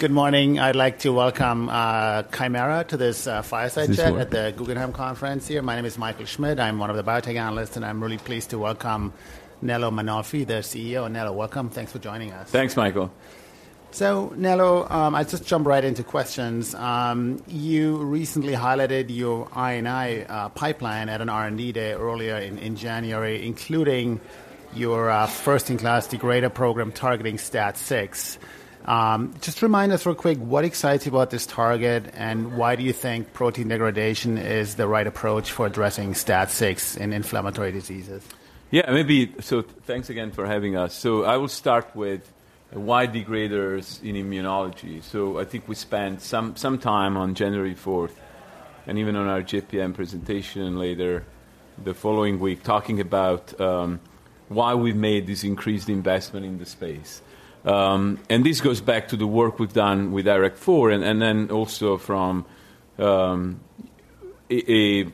Good morning. I'd like to welcome Kymera to this fireside chat. This one. at the Guggenheim Conference here. My name is Michael Schmidt. I'm one of the biotech analysts, and I'm really pleased to welcome Nello Mainolfi, their CEO. Nello, welcome. Thanks for joining us. Thanks, Michael. So Nello, I'll just jump right into questions. You recently highlighted your IND pipeline at an R&D Day earlier in January, including your first-in-class degrader program targeting STAT6. Just remind us real quick, what excites you about this target, and why do you think protein degradation is the right approach for addressing STAT6 in inflammatory diseases? Yeah, maybe. So thanks again for having us. So I will start with why degraders in immunology. So I think we spent some time on January 4th, and even on our JPM presentation later the following week, talking about why we've made this increased investment in the space. And this goes back to the work we've done with IRAK4, and then also from a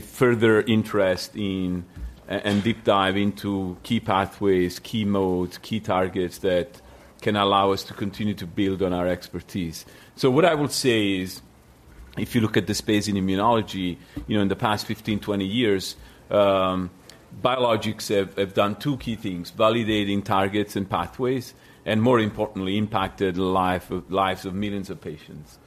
further interest in and deep dive into key pathways, key modes, key targets that can allow us to continue to build on our expertise. So what I would say is, if you look at the space in immunology, you know, in the past 15, 20 years, biologics have done two key things: validating targets and pathways, and more importantly, impacted the lives of millions of patients.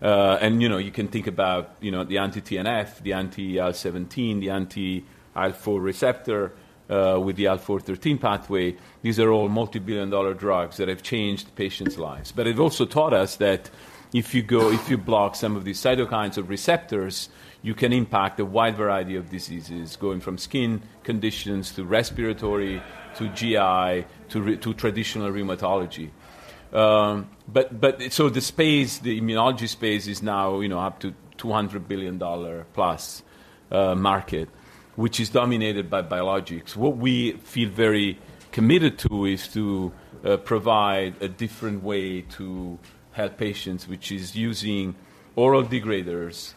And, you know, you can think about, you know, the anti-TNF, the anti-IL-17, the anti-IL-4 receptor, with the IL-4/13 pathway. These are all multi-billion-dollar drugs that have changed patients' lives. But it also taught us that if you block some of these cytokines or receptors, you can impact a wide variety of diseases, going from skin conditions, to respiratory, to GI, to traditional rheumatology. But so the space, the immunology space, is now, you know, up to $200 billion-plus market, which is dominated by biologics. What we feel very committed to is to provide a different way to help patients, which is using oral degraders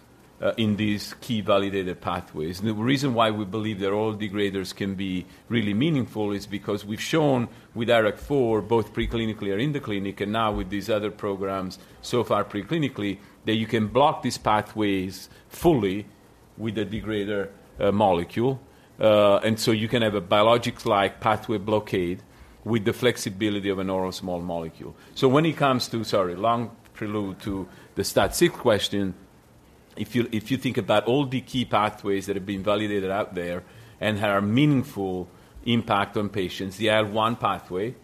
in these key validated pathways. The reason why we believe that all degraders can be really meaningful is because we've shown with KT-474, both preclinically or in the clinic, and now with these other programs, so far preclinically, that you can block these pathways fully with a degrader molecule. And so you can have a biologics-like pathway blockade with the flexibility of an oral small molecule. So when it comes to... Sorry, long prelude to the STAT6 question. If you think about all the key pathways that have been validated out there and have a meaningful impact on patients, the IL-1 pathway,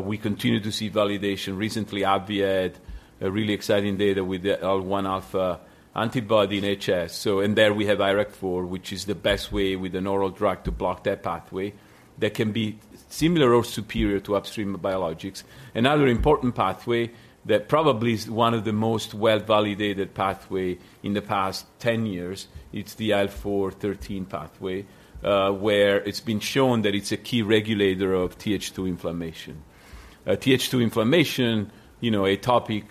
we continue to see validation. Recently, AbbVie had a really exciting data with the IL-1 alpha antibody in HS. So in there, we have KT-474, which is the best way with an oral drug to block that pathway, that can be similar or superior to upstream biologics. Another important pathway that probably is one of the most well-validated pathway in the past 10 years, it's the IL-4/IL-13 pathway, where it's been shown that it's a key regulator of Th2 inflammation. Th2 inflammation, you know, atopic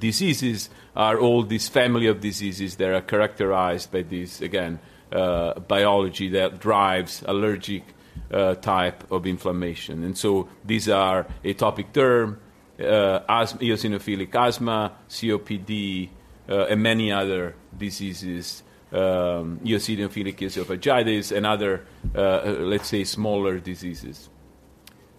diseases are all this family of diseases that are characterized by this, again, biology that drives allergic type of inflammation. And so these are atopic derm eosinophilic asthma, COPD, and many other diseases, eosinophilic esophagitis and other, let's say, smaller diseases.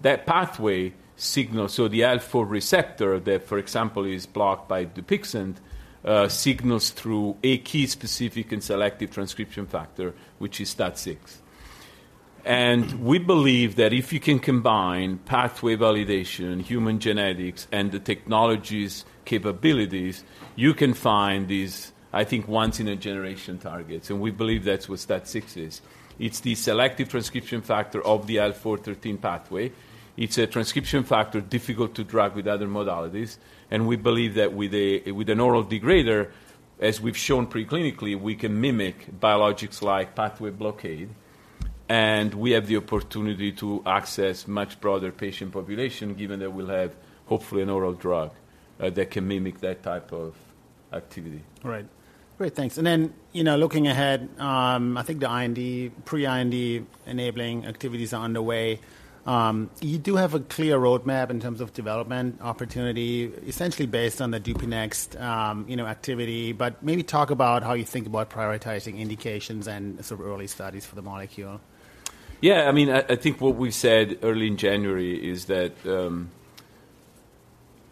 That pathway signal, so the IL-4 receptor that, for example, is blocked by Dupixent, signals through a key specific and selective transcription factor, which is STAT6. And we believe that if you can combine pathway validation, human genetics, and the technology's capabilities, you can find these, I think, once-in-a-generation targets, and we believe that's what STAT6 is. It's the selective transcription factor of the IL-4/IL-13 pathway. It's a transcription factor difficult to drug with other modalities, and we believe that with an oral degrader, as we've shown preclinically, we can mimic biologics like pathway blockade, and we have the opportunity to access much broader patient population, given that we'll have, hopefully, an oral drug that can mimic that type of activity. All right. Great, thanks. Then, you know, looking ahead, I think the IND, pre-IND enabling activities are underway. You do have a clear roadmap in terms of development opportunity, essentially based on the Dupixent, you know, activity. But maybe talk about how you think about prioritizing indications and sort of early studies for the molecule. Yeah, I mean, I, I think what we said early in January is that,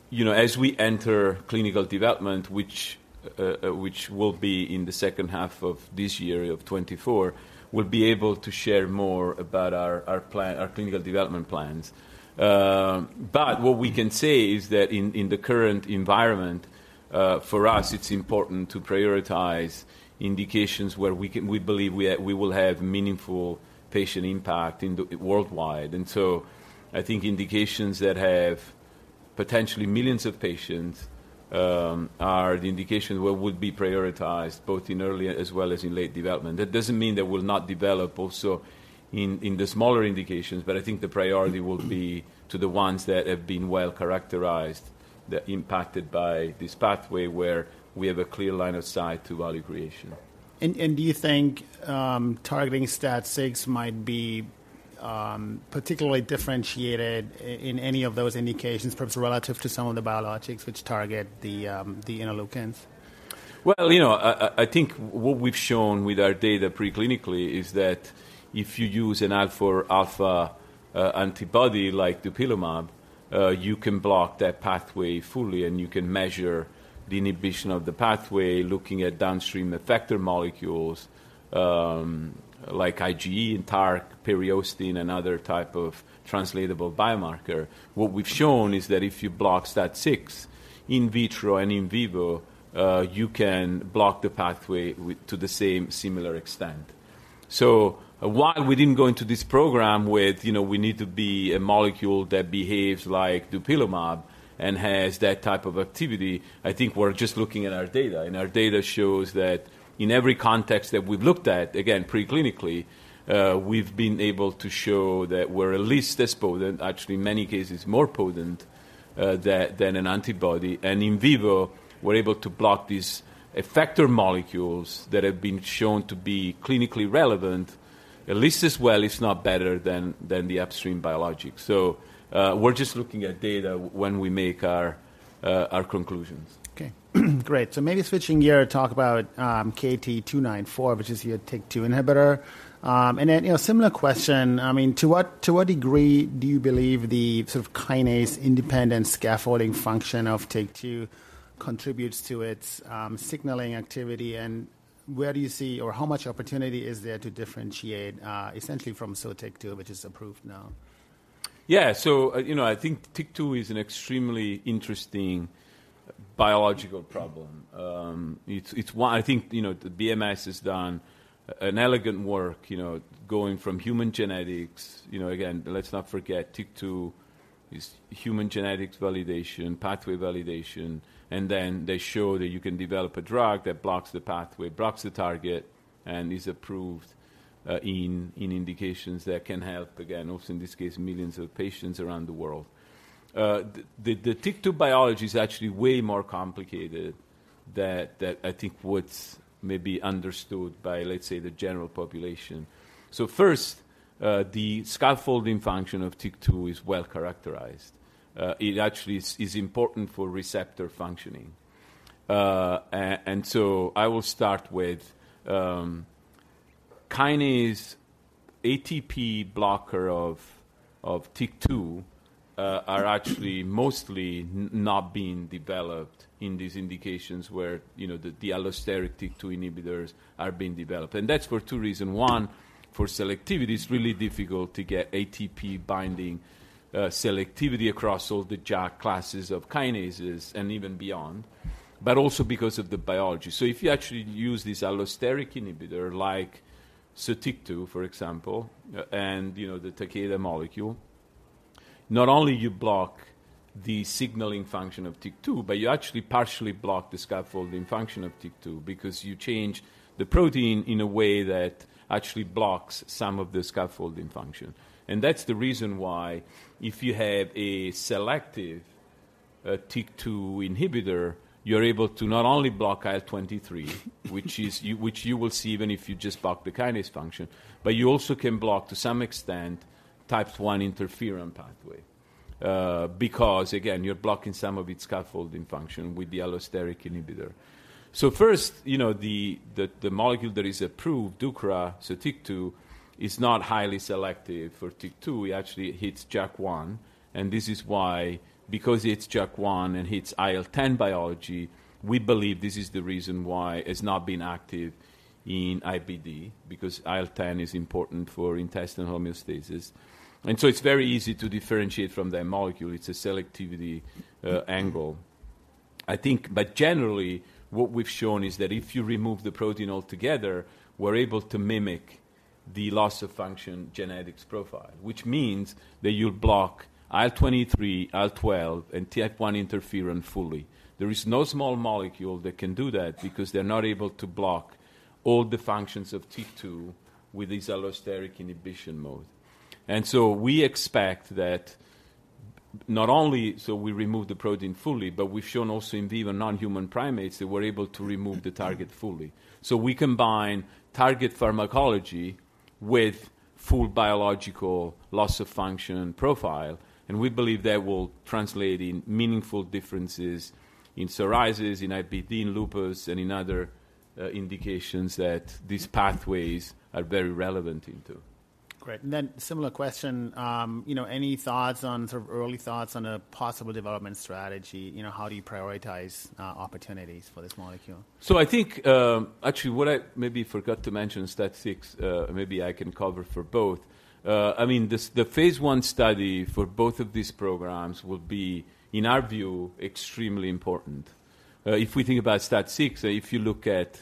you know, as we enter clinical development, which, which will be in the second half of this year, of 2024, we'll be able to share more about our, our plan- our clinical development plans. But what we can say is that in, in the current environment, for us, it's important to prioritize indications where we can-- we believe we have-- we will have meaningful patient impact in the... worldwide. And so I think indications that have potentially millions of patients, are the indications what would be prioritized, both in early as well as in late development. That doesn't mean they will not develop also in the smaller indications, but I think the priority will be to the ones that have been well-characterized, that impacted by this pathway where we have a clear line of sight to value creation. Do you think targeting STAT6 might be particularly differentiated in any of those indications, perhaps relative to some of the biologics which target the interleukins? Well, you know, I think what we've shown with our data preclinically is that if you use an IL-4 or IL-13 antibody, like dupilumab, you can block that pathway fully, and you can measure the inhibition of the pathway, looking at downstream effector molecules, like IgE, TARC, periostin, another type of translatable biomarker. What we've shown is that if you block STAT6 in vitro and in vivo, you can block the pathway to the same similar extent. So while we didn't go into this program with, you know, we need to be a molecule that behaves like dupilumab and has that type of activity, I think we're just looking at our data. Our data shows that in every context that we've looked at, again, preclinically, we've been able to show that we're at least as potent, actually, in many cases, more potent than an antibody. In vivo, we're able to block these effector molecules that have been shown to be clinically relevant, at least as well, if not better than the upstream biologics. So, we're just looking at data when we make our conclusions. Okay. Great. So maybe switching gear, talk about, KT-294, which is your TYK2 inhibitor. And then, you know, similar question, I mean, to what, to what degree do you believe the sort of kinase-independent scaffolding function of TYK2 contributes to its, signaling activity? And where do you see, or how much opportunity is there to differentiate, essentially from Sotyktu, which is approved now? Yeah, so, you know, I think TYK2 is an extremely interesting biological problem. It's, it's why I think, you know, the BMS has done an elegant work, you know, going from human genetics... You know, again, let's not forget, TYK2 is human genetics validation, pathway validation, and then they show that you can develop a drug that blocks the pathway, blocks the target, and is approved in indications that can help again, also, in this case, millions of patients around the world. The, the TYK2 biology is actually way more complicated than I think what's maybe understood by, let's say, the general population. So first, the scaffolding function of TYK2 is well characterized. It actually is important for receptor functioning. And so I will start with kinase ATP blocker of TYK2 are actually mostly not being developed in these indications where, you know, the allosteric TYK2 inhibitors are being developed. And that's for two reasons: One, for selectivity, it's really difficult to get ATP binding selectivity across all the JAK classes of kinases and even beyond, but also because of the biology. So if you actually use this allosteric inhibitor, like Sotyktu, for example, and you know, the Takeda molecule, not only you block the signaling function of TYK2, but you actually partially block the scaffolding function of TYK2 because you change the protein in a way that actually blocks some of the scaffolding function. That's the reason why if you have a selective TYK2 inhibitor, you're able to not only block IL-23, which is-- which you will see even if you just block the kinase function, but you also can block, to some extent, type I interferon pathway, because, again, you're blocking some of its scaffolding function with the allosteric inhibitor. So first, you know, the molecule that is approved, Sotyktu, is not highly selective for TYK2. It actually hits JAK1, and this is why, because it hits JAK1 and hits IL-10 biology, we believe this is the reason why it's not been active in IBD, because IL-10 is important for intestinal homeostasis. And so it's very easy to differentiate from that molecule. It's a selectivity angle. But generally, what we've shown is that if you remove the protein altogether, we're able to mimic the loss-of-function genetics profile, which means that you'll block IL-23, IL-12, and Type I interferon fully. There is no small molecule that can do that because they're not able to block all the functions of TYK2 with this allosteric inhibition mode. And so we expect that not only so we remove the protein fully, but we've shown also in vivo, non-human primates, that we're able to remove the target fully. So we combine target pharmacology with full biological loss of function and profile, and we believe that will translate in meaningful differences in psoriasis, in IBD, in lupus, and in other indications that these pathways are very relevant into. Great. Then similar question, you know, any thoughts on, sort of early thoughts on a possible development strategy? You know, how do you prioritize, opportunities for this molecule? So I think, actually, what I maybe forgot to mention, STAT6, maybe I can cover for both. I mean, this, the phase 1 study for both of these programs will be, in our view, extremely important. If we think about STAT6, if you look at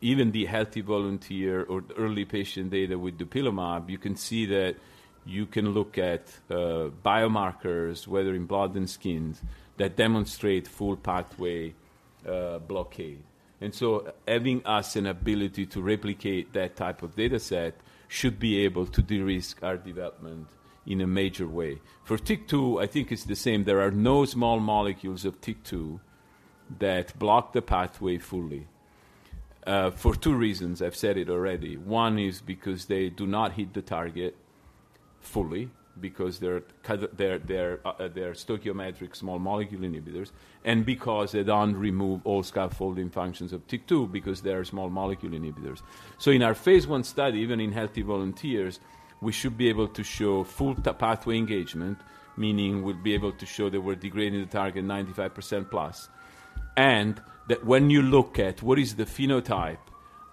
even the healthy volunteer or early patient data with dupilumab, you can see that you can look at, biomarkers, whether in blood and skin, that demonstrate full pathway, blockade. And so having us an ability to replicate that type of dataset should be able to de-risk our development in a major way. For TYK2, I think it's the same. There are no small molecules of TYK2 that block the pathway fully, for 2 reasons, I've said it already. One is because they do not hit the target fully, because they're kind of stoichiometric small molecule inhibitors, and because they don't remove all scaffolding functions of TYK2, because they are small molecule inhibitors. So in our phase 1 study, even in healthy volunteers, we should be able to show full pathway engagement, meaning we'd be able to show that we're degrading the target 95% plus. And that when you look at what is the phenotype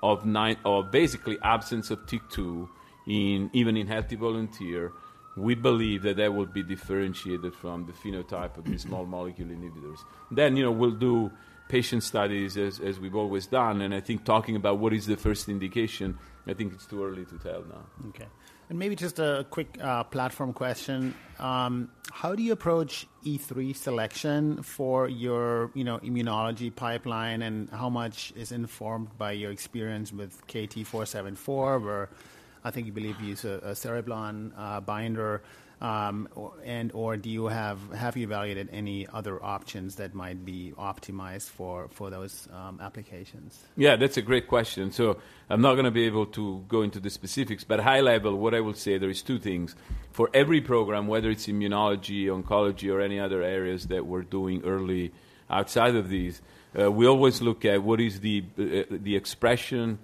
of basically absence of TYK2 in even healthy volunteer, we believe that would be differentiated from the phenotype of the small molecule inhibitors. Then, you know, we'll do patient studies as we've always done, and I think talking about what is the first indication, I think it's too early to tell now. Okay. And maybe just a quick platform question. How do you approach E3 selection for your, you know, immunology pipeline, and how much is informed by your experience with KT-474, where I think you believe you use a cereblon binder, or do you have--have you evaluated any other options that might be optimized for those applications? Yeah, that's a great question. So I'm not gonna be able to go into the specifics, but high level, what I will say, there is two things. For every program, whether it's immunology, oncology, or any other areas that we're doing early outside of these, we always look at what is the, the expression,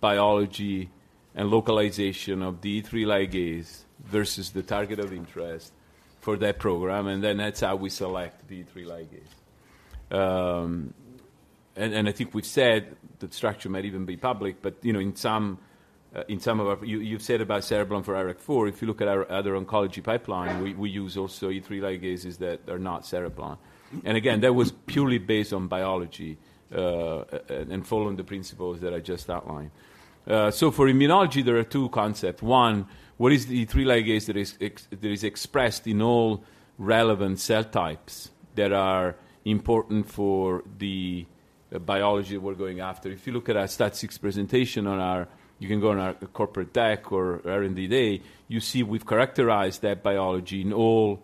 biology, and localization of the E3 ligase versus the target of interest for that program, and then that's how we select the E3 ligase. And I think we've said the structure might even be public, but, you know, in some, in some of our... You, you've said about cereblon for IRAK4, if you look at our other oncology pipeline, we, we use also E3 ligases that are not cereblon. And again, that was purely based on biology, and following the principles that I just outlined. So for immunology, there are two concepts. One, what is the E3 ligase that is expressed in all relevant cell types that are important for the biology we're going after? If you look at our STAT6 presentation on our—you can go on our corporate deck or R&D Day, you see we've characterized that biology in all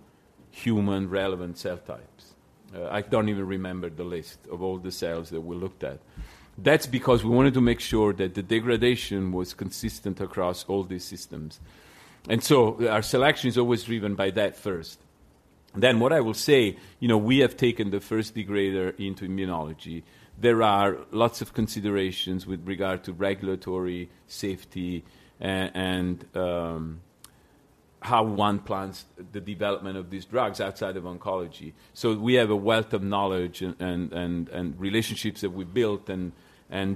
human relevant cell types. I don't even remember the list of all the cells that we looked at. That's because we wanted to make sure that the degradation was consistent across all these systems, and so our selection is always driven by that first. Then what I will say, you know, we have taken the first degrader into immunology. There are lots of considerations with regard to regulatory safety and how one plans the development of these drugs outside of oncology. So we have a wealth of knowledge and relationships that we've built and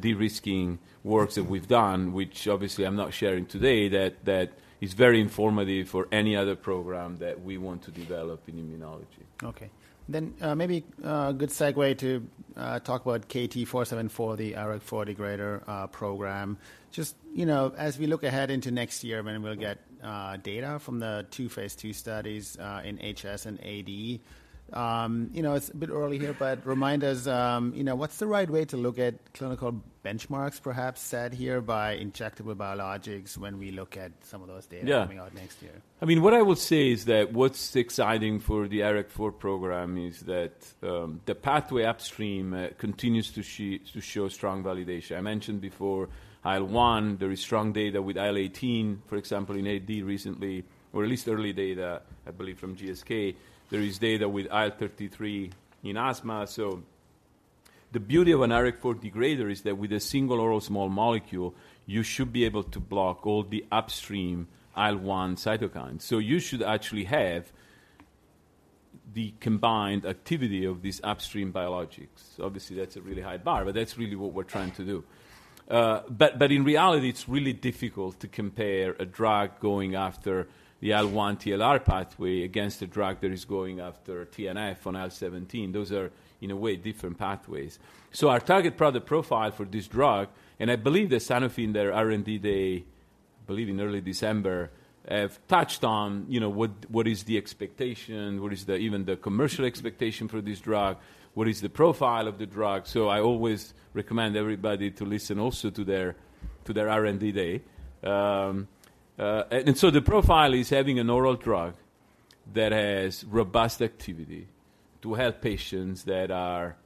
de-risking works that we've done, which obviously I'm not sharing today, that is very informative for any other program that we want to develop in immunology. Okay. Then, maybe a good segue to talk about KT-474, the IRAK4 degrader program. Just, you know, as we look ahead into next year when we'll get data from the two phase two studies in HS and AD, you know, it's a bit early here, but remind us, you know, what's the right way to look at clinical benchmarks, perhaps, set here by injectable biologics when we look at some of those data? Yeah. coming out next year? I mean, what I would say is that what's exciting for the IRAK4 program is that, the pathway upstream, continues to show strong validation. I mentioned before, IL-1, there is strong data with IL-18, for example, in AD recently, or at least early data, I believe, from GSK. There is data with IL-33 in asthma. So the beauty of an IRAK4 degrader is that with a single oral small molecule, you should be able to block all the upstream IL-1 cytokines. So you should actually have the combined activity of these upstream biologics. Obviously, that's a really high bar, but that's really what we're trying to do. But in reality, it's really difficult to compare a drug going after the IL-1 TLR pathway against a drug that is going after TNF on IL-17. Those are, in a way, different pathways. So our target product profile for this drug, and I believe that Sanofi in their R&D Day, I believe in early December, have touched on, you know, what, what is the expectation, what is the, even the commercial expectation for this drug? What is the profile of the drug? So I always recommend everybody to listen also to their, to their R&D Day. And so the profile is having an oral drug that has robust activity to help patients that are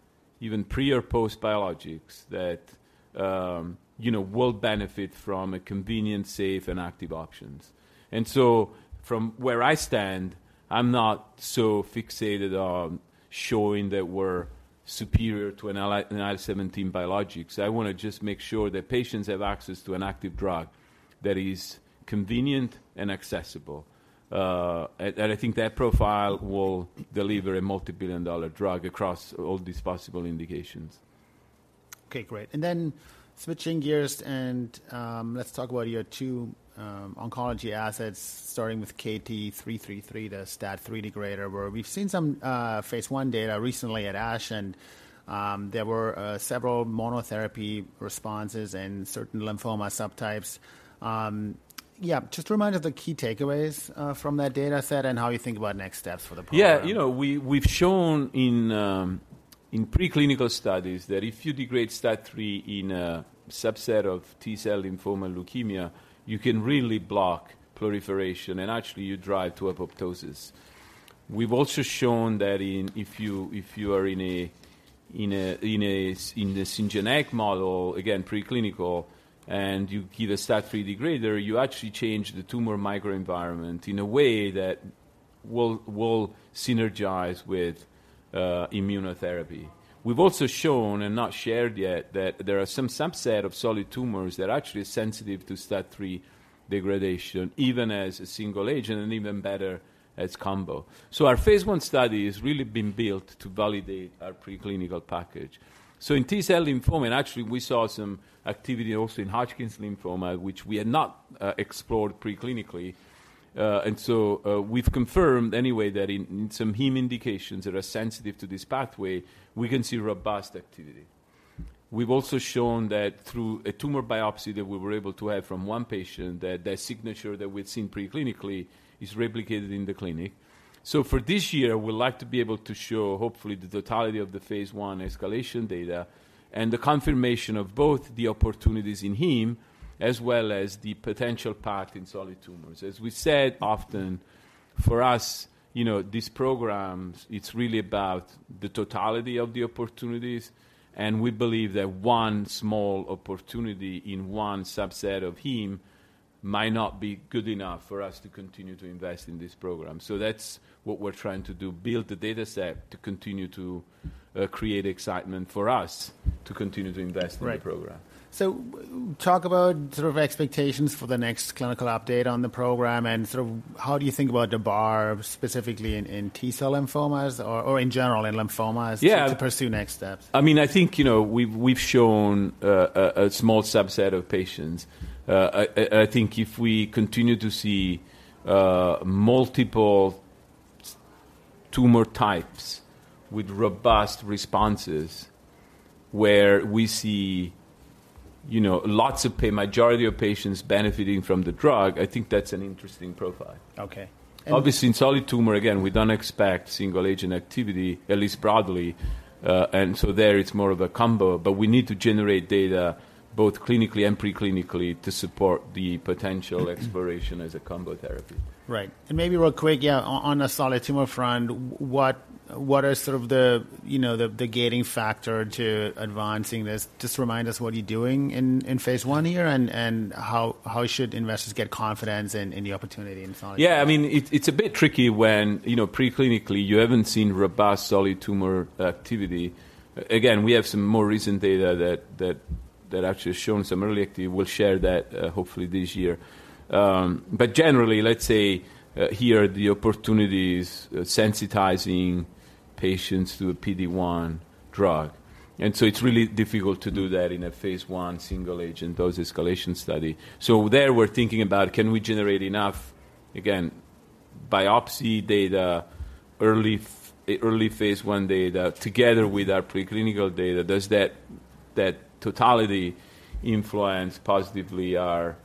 even pre or post biologics, that, you know, will benefit from a convenient, safe, and active options. And so from where I stand, I'm not so fixated on showing that we're superior to an IL-17 biologics. I wanna just make sure that patients have access to an active drug that is convenient and accessible. I think that profile will deliver a multibillion-dollar drug across all these possible indications. Okay, great. And then switching gears, let's talk about your 2 oncology assets, starting with KT-333, the STAT3 degrader, where we've seen some phase 1 data recently at ASH, and there were several monotherapy responses and certain lymphoma subtypes. Yeah, just remind us the key takeaways from that data set and how you think about next steps for the program. Yeah, you know, we've shown in preclinical studies that if you degrade STAT3 in a subset of T-cell lymphoma leukemia, you can really block proliferation, and actually, you drive to apoptosis. We've also shown that in this syngeneic model, again, preclinical, and you give a STAT3 degrader, you actually change the tumor microenvironment in a way that will synergize with immunotherapy. We've also shown and not shared yet, that there are some subset of solid tumors that are actually sensitive to STAT3 degradation, even as a single agent and even better as combo. So our phase 1 study has really been built to validate our preclinical package. So in T-cell lymphoma, and actually, we saw some activity also in Hodgkin's lymphoma, which we had not explored preclinically. And so, we've confirmed anyway that in some heme indications that are sensitive to this pathway, we can see robust activity. We've also shown that through a tumor biopsy that we were able to have from one patient, that that signature that we'd seen preclinically is replicated in the clinic. So for this year, we'd like to be able to show, hopefully, the totality of the phase 1 escalation data and the confirmation of both the opportunities in heme as well as the potential path in solid tumors. As we said, often, for us, you know, these programs, it's really about the totality of the opportunities, and we believe that one small opportunity in one subset of heme might not be good enough for us to continue to invest in this program. So that's what we're trying to do, build the dataset to continue to create excitement for us to continue to invest in the program. Right. So talk about sort of expectations for the next clinical update on the program, and sort of how do you think about the bar, specifically in T-cell lymphomas or in general in lymphomas? Yeah. to pursue next steps? I mean, I think, you know, we've shown a small subset of patients. I think if we continue to see multiple tumor types with robust responses where we see, you know, lots of majority of patients benefiting from the drug, I think that's an interesting profile. Okay. Obviously, in solid tumor, again, we don't expect single-agent activity, at least broadly, and so there it's more of a combo. But we need to generate data both clinically and preclinically to support the potential exploration as a combo therapy. Right. And maybe real quick, yeah, on a solid tumor front, what are sort of the, you know, the gating factor to advancing this? Just remind us what you're doing in phase 1 here, and how should investors get confidence in the opportunity in solid tumor? Yeah, I mean, it's a bit tricky when, you know, preclinically, you haven't seen robust solid tumor activity. Again, we have some more recent data that actually has shown some early activity. We'll share that, hopefully this year. But generally, let's say, here, the opportunity is sensitizing patients to a PD-1 drug, and so it's really difficult to do that in a phase one single-agent dose-escalation study. So there, we're thinking about, can we generate enough, again, biopsy data, early phase one data, together with our preclinical data, does that totality influence positively our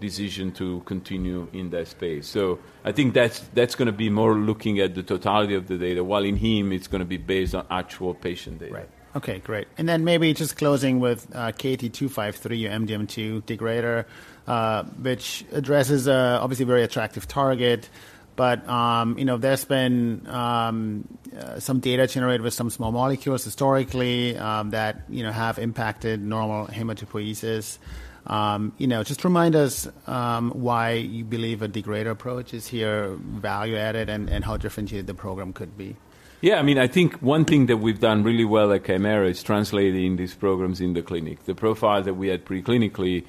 decision to continue in that space? So I think that's gonna be more looking at the totality of the data, while in heme, it's gonna be based on actual patient data. Right. Okay, great. And then maybe just closing with KT-253, MDM2 degrader, which addresses a obviously very attractive target. But, you know, there's been some data generated with some small molecules historically, that, you know, have impacted normal hematopoiesis. You know, just remind us why you believe a degrader approach is here, value added, and, and how differentiated the program could be. Yeah, I mean, I think one thing that we've done really well at Kymera is translating these programs in the clinic. The profile that we had preclinically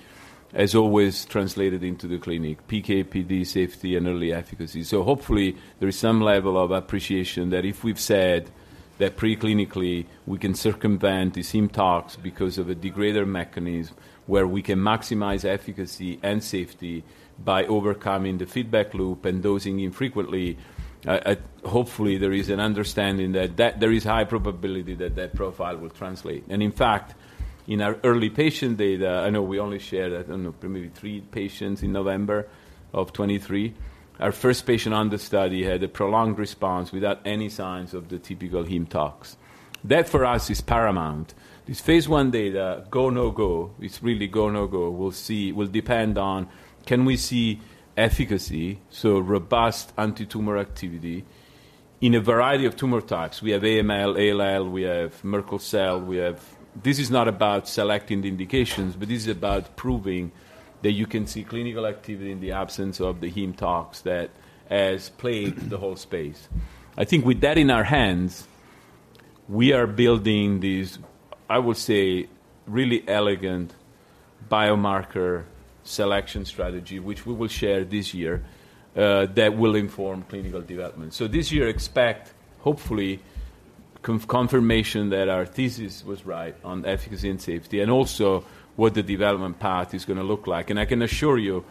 has always translated into the clinic, PK, PD, safety, and early efficacy. So hopefully, there is some level of appreciation that if we've said that preclinically, we can circumvent the heme tox because of a degrader mechanism, where we can maximize efficacy and safety by overcoming the feedback loop and dosing infrequently. Hopefully, there is an understanding that that there is high probability that that profile will translate. And in fact, in our early patient data, I know we only shared, I don't know, maybe three patients in November of 2023. Our first patient on the study had a prolonged response without any signs of the typical heme tox. That, for us, is paramount. This phase 1 data, go, no go, it's really go, no go. We'll see... It will depend on can we see efficacy, so robust antitumor activity in a variety of tumor types. We have AML, ALL, we have Merkel cell, we have - this is not about selecting the indications, but this is about proving that you can see clinical activity in the absence of the heme tox that has plagued the whole space. I think with that in our hands, we are building these, I would say, really elegant biomarker selection strategy, which we will share this year, that will inform clinical development. So this year, expect, hopefully, confirmation that our thesis was right on efficacy and safety, and also what the development path is gonna look like. I can assure you,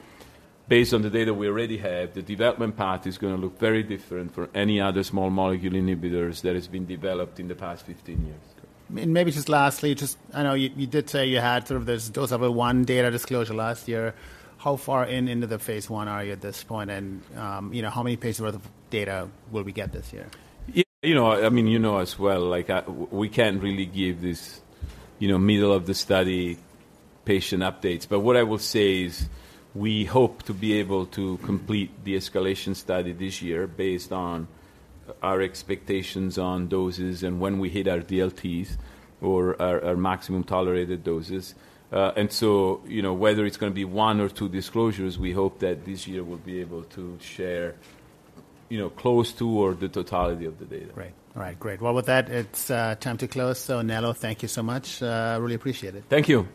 based on the data we already have, the development path is gonna look very different for any other small molecule inhibitors that has been developed in the past 15 years. Maybe just lastly, just I know you did say you had sort of this dose of one data disclosure last year. How far in into the phase one are you at this point? You know, how many patients' worth of data will we get this year? Yeah, you know, I mean, you know as well, like, we can't really give this, you know, middle-of-the-study patient updates. But what I will say is we hope to be able to complete the escalation study this year based on our expectations on doses and when we hit our DLTs or our, our maximum tolerated doses. And so, you know, whether it's gonna be 1 or 2 disclosures, we hope that this year we'll be able to share, you know, close to or the totality of the data. Right. All right, great. Well, with that, it's time to close. So Nello, thank you so much. I really appreciate it. Thank you!